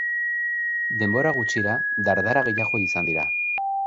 Denbora gutxira, dardara gehiago izan dira.